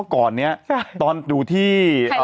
ก่อนนี้ตอนดูที่